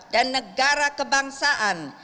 dan negara kebangsaan